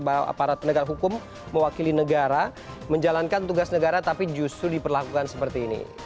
bahwa aparat penegak hukum mewakili negara menjalankan tugas negara tapi justru diperlakukan seperti ini